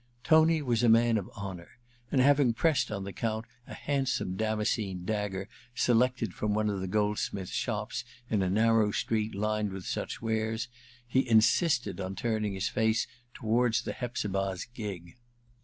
Tony was a man of honour ; and having pressed on the Count a handsome damascened dagger selected from one of the goldsmiths' shops in a narrow street lined with such wares, he insisted on turning his face toward the Hepzibah's gig.